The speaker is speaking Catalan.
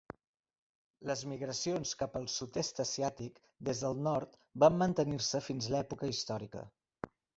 Les migracions cap al sud-est asiàtic des del nord van mantenir-se fins a l'època històrica.